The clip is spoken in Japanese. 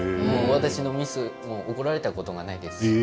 私のミスも怒られたことがないですし。